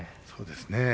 そうですね。